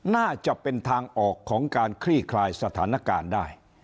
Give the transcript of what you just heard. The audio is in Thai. น่าจะเป็นทางออกของการคลี่คลายสถานการณ์ได้